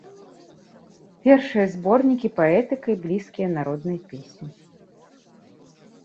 Першыя зборнікі паэтыкай блізкія народнай песні.